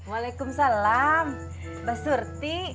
waalaikumsalam mbak surti